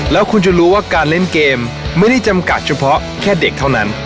แล้วคุณจะรู้ว่าการเล่นเกมไม่ได้จำกัดเฉพาะแค่เด็กเท่านั้น